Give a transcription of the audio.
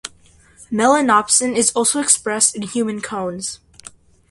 Melanopsin is also expressed in human cones.